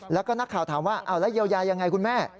แล้วก็นักข่าวถามว่าแล้วเยียวยายังไงคุณแม่